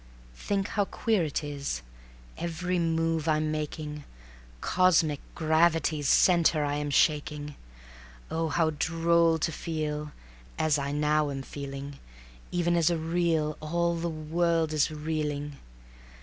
Think how queer it is! Every move I'm making, Cosmic gravity's Center I am shaking; Oh, how droll to feel (As I now am feeling), Even as I reel, All the world is reeling.